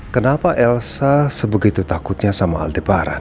kenapa elsa sebegitu takutnya sama aldebaran